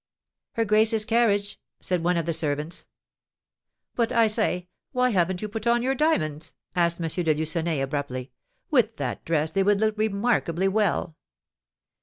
"Her grace's carriage!" said one of the servants. "But, I say, why haven't you put on your diamonds?" asked M. de Lucenay, abruptly; "with that dress they would look remarkably well."